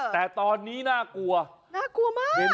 แต่ตอนนี้น่ากลัว